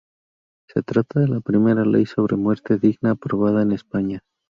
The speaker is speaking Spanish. Se trata de la primera ley sobre muerte digna aprobada en España.